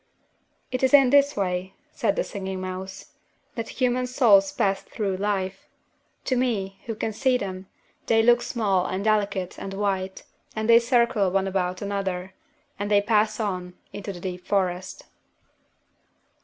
"It is in this way," said the Singing Mouse, "that human souls pass through life. To me, who can see them, they look small and delicate and white; and they circle one about another; and they pass on, into the deep forest."